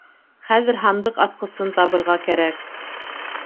Хәҙер һандыҡ асҡысын табырға кәрәк.